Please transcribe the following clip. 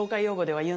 はい。